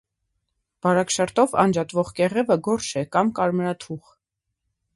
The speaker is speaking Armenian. Բարակ շերտով անջատվող կեղևը գորշ է կամ կարմրաթուխ։